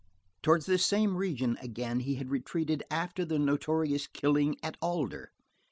Towards this same region, again, he had retreated after the notorious Killing at Alder.